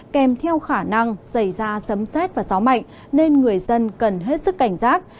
kèm theo khả năng xảy ra sấm xét và gió mạnh nên người dân cần hết sức cảnh giác